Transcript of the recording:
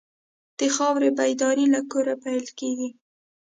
د خاورې بیداري له کوره پیل کېږي.